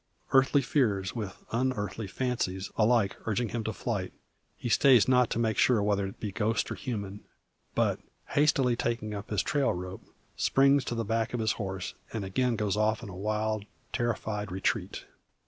Earthly fears, with unearthly fancies, alike urging him to flight, he stays not to make sure whether it be ghost or human; but, hastily taking up his trail rope, springs to the back of his horse, and again goes off in wild terrified retreat.